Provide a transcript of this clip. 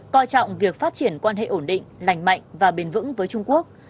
coi trọng việc phát triển quan hệ ổn định lành mạnh và bền vững với trung quốc